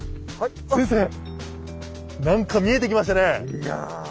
いや！